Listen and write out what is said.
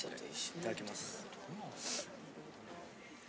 いただきます！